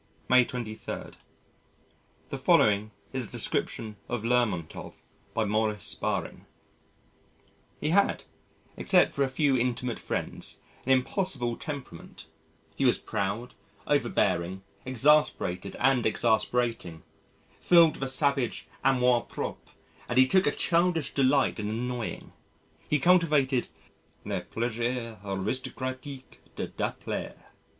May 23. The following is a description of Lermontov by Maurice Baring: "He had except for a few intimate friends an impossible temperament; he was proud, over bearing, exasperated and exasperating, filled with a savage amour propre and he took a childish delight in annoying; he cultivated 'le plaisir aristocratique de déplaire.'